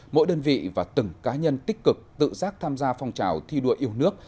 mỗi đơn vị và từng cá nhân tích cực tự giác tham gia phong trào thi đua yêu nước